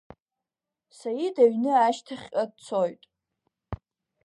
Саид аҩны ашьҭахьҟа дцоит.